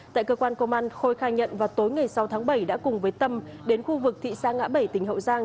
tại cơ quan công an khôi khai nhận vào tối ngày sáu tháng bảy đã cùng với tâm đến khu vực thị xã ngã bảy tỉnh hậu giang